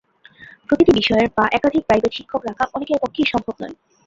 প্রতিটি বিষয়ের বা একাধিক প্রাইভেট শিক্ষক রাখা অনেকের পক্ষেই সম্ভব নয়।